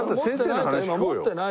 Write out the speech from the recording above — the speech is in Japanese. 今持ってない。